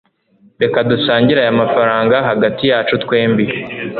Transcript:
reka dusangire aya mafranga hagati yacu twembi